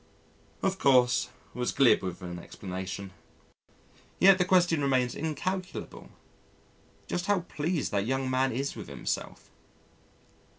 , of course, was glib with an explanation, yet the question remains incalculable just how pleased that young man is with himself.